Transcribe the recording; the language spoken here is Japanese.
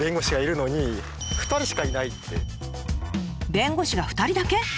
弁護士が２人だけ？